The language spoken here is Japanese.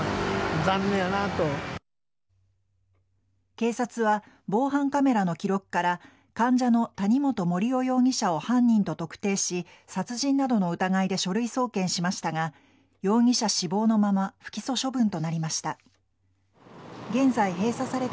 警察は、防犯カメラの記録から患者の谷本盛雄容疑者を犯人と特定し殺人などの疑いで書類送検しましたが容疑者死亡のまま不起訴処分となりました。